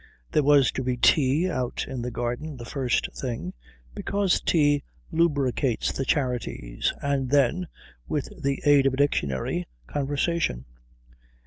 There was to be tea out in the garden the first thing, because tea lubricates the charities, and then, with the aid of a dictionary, conversation.